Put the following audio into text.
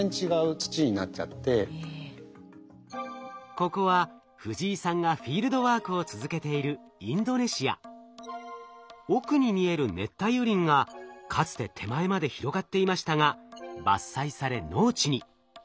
ここは藤井さんがフィールドワークを続けている奥に見える熱帯雨林がかつて手前まで広がっていましたが伐採され農地に。